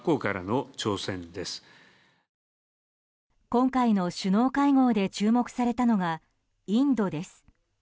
今回の首脳会合で注目されたのがインドです。